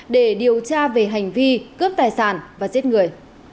để điều tra về hành vi cướp tài sản và giết người